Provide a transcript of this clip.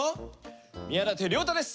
宮舘涼太です。